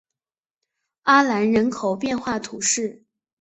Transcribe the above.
阿兰人口变化图示